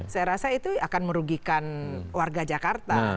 saya rasa itu akan merugikan warga jakarta